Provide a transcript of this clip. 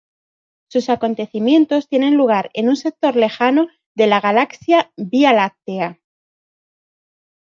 Sus acontecimientos tienen lugar en un sector lejano de la galaxia Vía Láctea.